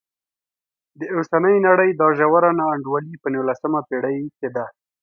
د اوسنۍ نړۍ دا ژوره نا انډولي په نولسمه پېړۍ کې ده.